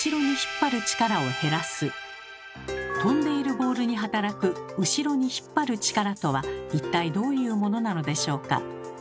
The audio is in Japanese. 飛んでいるボールに働く「後ろに引っ張る力」とは一体どういうものなのでしょうか？